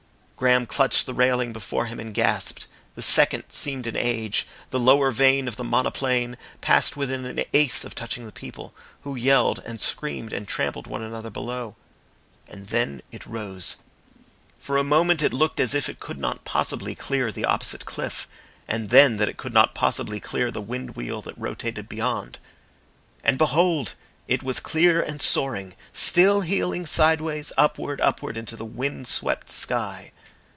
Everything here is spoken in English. Graham clutched the railing before him and gasped. The second seemed an age. The lower vane of the monoplane passed within an ace of touching the people, who yelled and screamed and trampled one another below. And then it rose. For a moment it looked as if it could not possibly clear the opposite cliff, and then that it could not possibly clear the wind wheel that rotated beyond. And behold! it was clear and soaring, still heeling sideways, upward, upward into the wind swept sky.